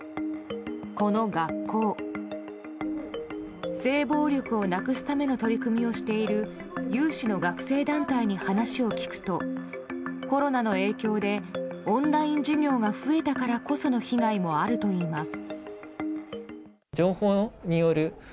この学校、性暴力をなくすための取り組みをしている有志の学生団体に話を聞くとコロナの影響でオンライン授業が増えたからこその被害もあるといいます。